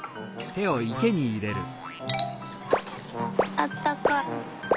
あったかい。